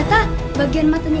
tidak ada yang bisa dipercaya